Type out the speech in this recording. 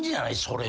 それ。